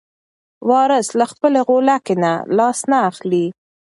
وارث له خپلې غولکې نه لاس نه اخلي.